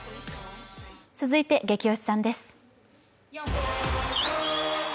続いてゲキ推しさんです。